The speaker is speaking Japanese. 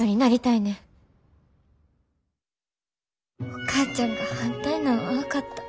お母ちゃんが反対なんは分かった。